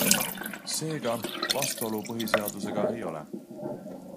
Seega, vastuolu põhiseadusega ei ole.